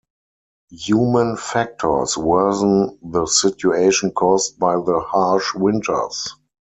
Human factors worsen the situation caused by the harsh winters.